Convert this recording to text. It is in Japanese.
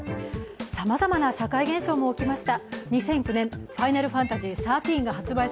さまざまな社会現象も起きました。